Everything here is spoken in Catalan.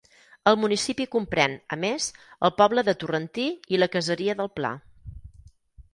El municipi comprèn, a més, el poble de Torrentí i la caseria del Pla.